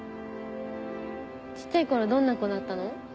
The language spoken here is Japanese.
小っちゃい頃どんな子だったの？